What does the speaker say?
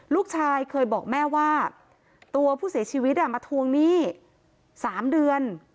ลูกชายเคยบอกแม่ว่าตัวผู้เสียชีวิตมาทวงหนี้๓เดือน